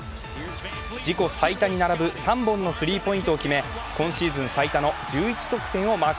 自己最多に並ぶ３本のスリーポイントを決め、今シーズン最多の１１得点をマーク。